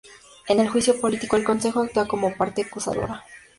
En el juicio político, el Consejo actúa como parte acusadora.